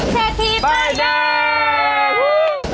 เชพทีไปได้